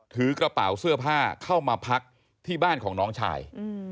ถือกระเป๋าเสื้อผ้าเข้ามาพักที่บ้านของน้องชาย